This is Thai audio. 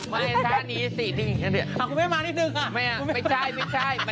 ไม่และอยู่ยักษ์